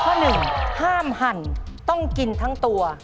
ข้อหนึ่งห้ามหั่นต้องกินทั้งตัว